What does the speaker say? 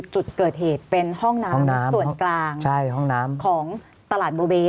จุดเกิดเหตุเป็นห้องน้ำส่วนกลางของตลาดโบเบ